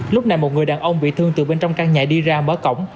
lúc này một người đàn ông bị thương từ bên trong căn nhà đi ra mở cổng